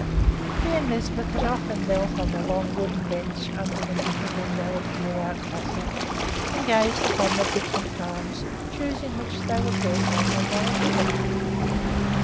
He and Lisbeth had often knelt on the long wooden bench under the little window at Peerout Castle, and gazed upon the different farms, choosing which they would work on when they were big enough.